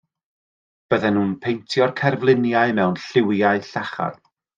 Bydden nhw'n paentio'r cerfluniau mewn lliwiau llachar.